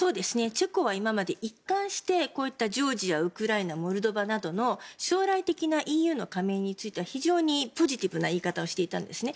チェコは今まで一貫してこういったジョージアウクライナ、モルドバなどの将来的なＥＵの加盟については非常にポジティブな言い方をしていたんですね。